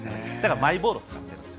マイボールを使っているんです。